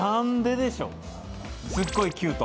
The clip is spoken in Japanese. すっごいキュート。